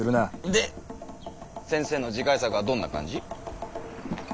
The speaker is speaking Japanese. で先生の次回作はどんな感じ？